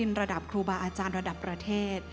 ระดับครูบาอาจารย์ระดับประเทศ